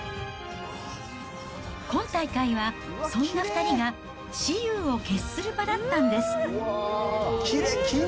今大会はそんな２人が雌雄を決する場だったんです。